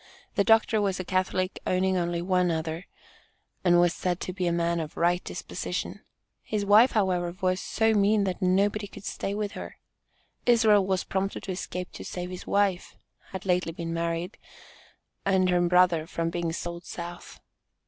The doctor was a Catholic, owning only one other, and was said to be a man of "right disposition." His wife, however, was "so mean that nobody could stay with her." Israel was prompted to escape to save his wife, (had lately been married) and her brother from being sold south.